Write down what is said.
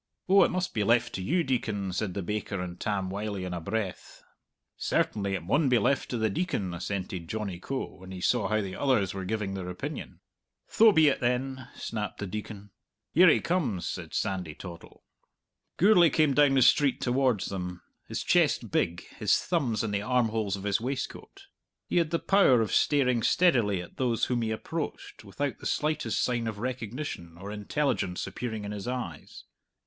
"Oh, it must be left to you, Deacon," said the baker and Tam Wylie in a breath. "Certainly, it maun be left to the Deacon," assented Johnny Coe, when he saw how the others were giving their opinion. "Tho be it, then," snapped the Deacon. "Here he comes," said Sandy Toddle. Gourlay came down the street towards them, his chest big, his thumbs in the armholes of his waistcoat. He had the power of staring steadily at those whom he approached without the slightest sign of recognition or intelligence appearing in his eyes.